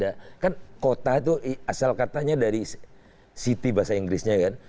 ya kan kota itu asal katanya dari city bahasa inggrisnya kan